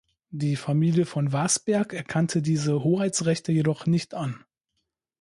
Die Familie von Warsberg erkannte diese Hoheitsrechte jedoch nicht an.